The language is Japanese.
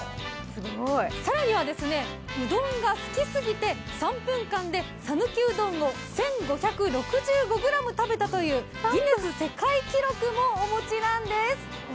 更には、うどんが好きすぎて３分間で讃岐うどんを１５６５ｇ食べたというギネス世界記録もお持ちなんです。